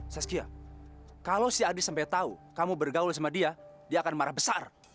saskia kalau si adik sampai tahu kamu bergaul sama dia dia akan marah besar